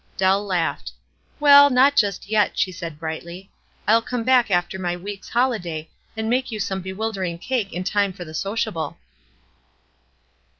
Deli laughed. "Well, not just yet," she said, brightly. "I'll come back after my week's holiday, and make you some bewildering cake in time for the sociable."